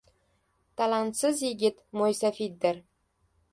Talantsiz yigit mo‘ysafiddir.